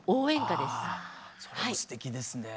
それはすてきですね。